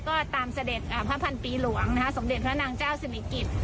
ก็ตามเสด็จพระพันปีหลวงสมเด็จพระนางเจ้าศิริกิจ